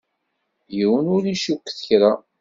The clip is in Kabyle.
Yiwen ur icukket kra.